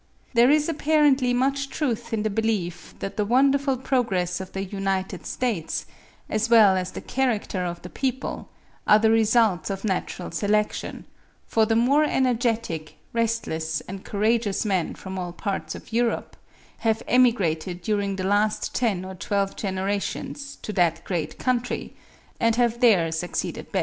There is apparently much truth in the belief that the wonderful progress of the United States, as well as the character of the people, are the results of natural selection; for the more energetic, restless, and courageous men from all parts of Europe have emigrated during the last ten or twelve generations to that great country, and have there succeeded best.